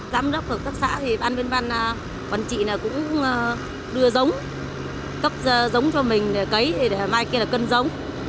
giám đốc của các xã thì ban bên ban quản trị là cũng đưa giống cấp giống cho mình để cấy để mai kia là cân giống